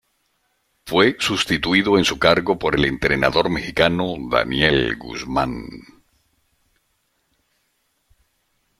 Fue sustituido en su cargo por el entrenador mexicano Daniel Guzmán.